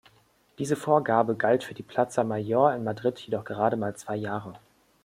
Diese Vorgabe galt für die Plaza Mayor in Madrid jedoch gerade mal zwei Jahre.